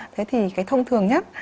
thế thì cái thông thường nhất